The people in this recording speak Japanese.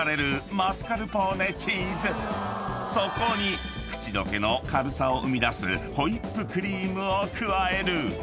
［そこに口溶けの軽さを生み出すホイップクリームを加える］